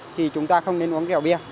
thì chúng ta không nên uống rượu bia